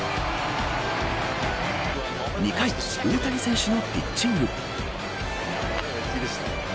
２回、大谷選手のピッチング。